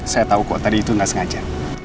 saya tau kok tadi itu gak sengaja